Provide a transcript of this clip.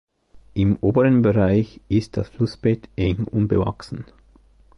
Im oberen Bereich ist das Flussbett eng und bewachsen.